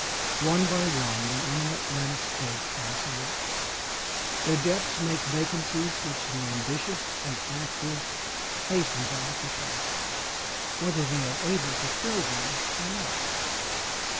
One by one the eminent men of State pass away. Their deaths make vacancies which the ambitious and active hasten to occupy whether they are able to fill them or not.